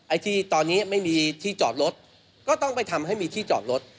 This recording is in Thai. ไอ้ที่ตอนนี้ไม่มีที่จอดรถก็ต้องไปทำให้มีที่จอดรถ